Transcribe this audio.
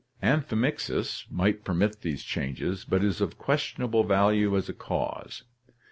Amphimixis (see page 138) might permit these changes, but is of questionable value as a cause.